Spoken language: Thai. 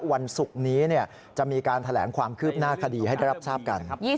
วันศุกร์นี้จะมีการแถลงความคืบหน้าคดีให้ได้รับทราบกัน